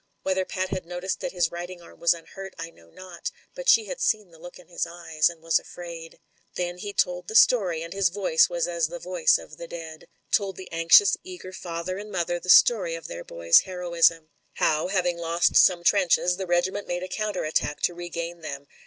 Whether Pat had noticed that his writing arm was unhurt, I know not; but she had seen the look in his eyes, and was afraid. Then he told the story, and his voice was as the voice of the dead. Told the anxious, eager father and mother the story of their boy's heroism. How, having lost some trenches, the regiment made a counter attack to regain them.